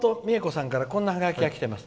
さんからこんなハガキが来てます。